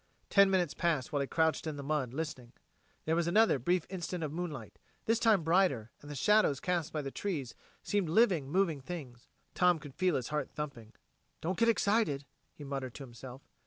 Ten minutes passed while he crouched in the mud, listening. There was another brief instant of moonlight, this time brighter, and the shadows cast by the trees seemed living, moving things. Tom could feel his heart thumping. "Don't get excited," he muttered to himself.